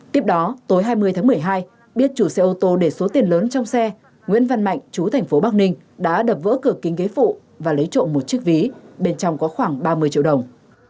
tiếp đó tối hai mươi tháng một mươi hai biết chủ xe ô tô để số tiền lớn trong xe nguyễn văn mạnh chú thành phố bắc ninh đã đập vỡ cửa kính ghế phụ và lấy trộm một chiếc ví bên trong có khoảng ba mươi triệu đồng